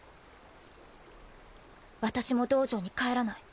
私も道場に帰らない。